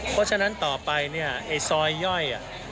เพราะฉะนั้นต่อไปซอยย่อย